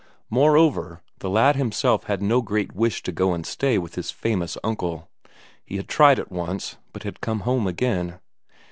Moreover, the lad himself had no great wish to go and stay with his famous uncle; he had tried it once, but had come home again.